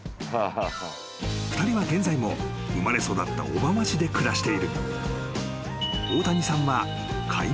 ［２人は現在も生まれ育った小浜市で暮らしている］